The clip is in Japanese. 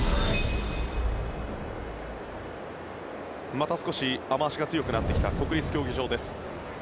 また少し雨脚が強くなってきた国立競技場です。